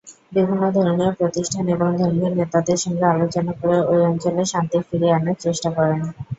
বিভিন্ন ধর্মীয় প্রতিষ্ঠান এবং ধর্মীয় নেতাদের সঙ্গে আলোচনা করে ওই অঞ্চলে শান্তি ফিরিয়ে আনার চেষ্টা করেন।